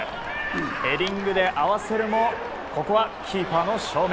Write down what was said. ヘディングで合わせるもここはキーパーの正面。